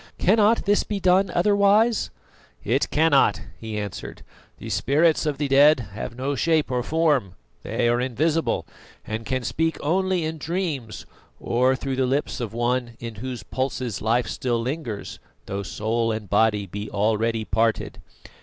"Cannot this be done otherwise?" "It cannot," he answered. "The spirits of the dead have no shape or form; they are invisible, and can speak only in dreams or through the lips of one in whose pulses life still lingers, though soul and body be already parted.